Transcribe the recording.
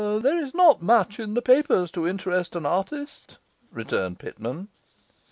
'There is not much in the papers to interest an artist,' returned Pitman.